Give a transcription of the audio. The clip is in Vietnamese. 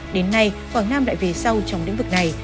đến nay quảng nam lại về sau trong lĩnh vực này